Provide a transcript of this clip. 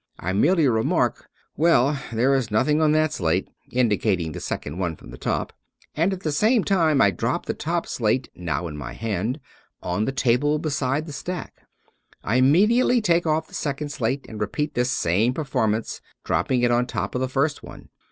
I merely remark, " Well, there is noth ing on that slate," indicating the second one from the top ; and at the same time I drop the top slate (now in my hand) on the table beside the stack. I immediately take oflf the second slate and repeat this same performance, dropping it on top of the first one.